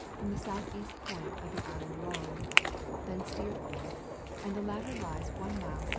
from the south east point of the island Rond, then steered for ; and the latter lies one mile S.E.